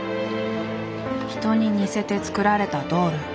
人に似せて作られたドール。